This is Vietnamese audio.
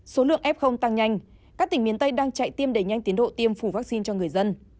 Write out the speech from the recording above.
số lượng f tăng nhanh các tỉnh miền tây đang chạy tiêm đẩy nhanh tiến độ tiêm phủ vaccine cho người dân